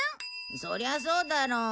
そりゃそうだろう。